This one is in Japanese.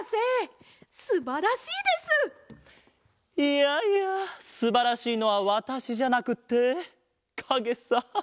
いやいやすばらしいのはわたしじゃなくってかげさ。